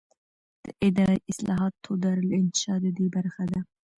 د اداري اصلاحاتو دارالانشا ددې برخه ده.